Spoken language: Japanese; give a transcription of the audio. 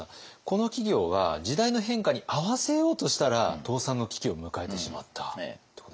この企業は時代の変化に合わせようとしたら倒産の危機を迎えてしまったっていうことですね。